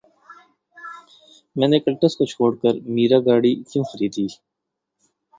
میں نے کلٹس کو چھوڑ کر میرا گاڑی کیوں خریدی